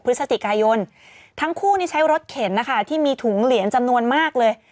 พฤศจิกายนทั้งคู่นี่ใช้รถเข็นนะคะที่มีถุงเหรียญจำนวนมากเลย